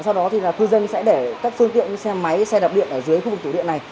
sau đó thì là cư dân sẽ để các phương tiện xe máy xe đạp điện ở dưới khu vực tủ điện này